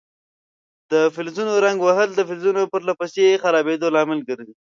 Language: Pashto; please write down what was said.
د فلزونو زنګ وهل د فلزونو پر له پسې خرابیدو لامل ګرځي.